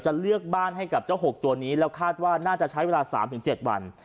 เลือกบ้านให้กับเจ้า๖ตัวนี้แล้วคาดว่าน่าจะใช้เวลา๓๗วัน